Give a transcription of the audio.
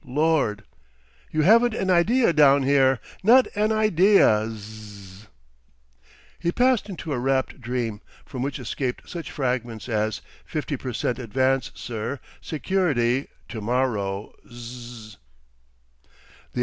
Lord! You haven't an Idea down here. Not an idea. Zzzz." He passed into a rapt dream, from which escaped such fragments as: "Fifty per cent. advance sir; security—to morrow. Zzzz."